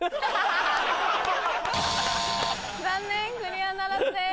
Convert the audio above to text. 残念クリアならずです。